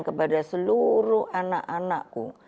kepada seluruh anak anakku